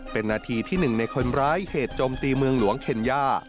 เป็นนาทีที่หนึ่งในคนร้ายเหตุโจมตีเมืองหลวงเคนย่า